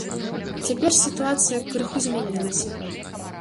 Цяпер сітуацыя крыху змянілася.